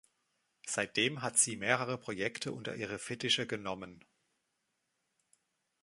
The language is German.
Seitdem hat sie mehrere Projekte unter ihre Fittiche genommen.